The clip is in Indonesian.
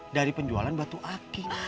dari penjualan batu aki